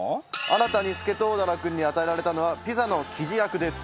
新たにスケトウダラ君に与えられたのはピザの生地役です。